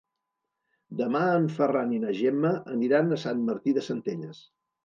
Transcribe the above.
Demà en Ferran i na Gemma aniran a Sant Martí de Centelles.